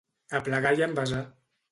Aplegar i envasar.